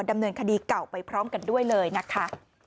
ดำเนินคดีเก่าไปพร้อมกันด้วยเลยนะคะ